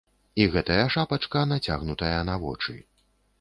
І гэтая шапачка нацягнутая на вочы.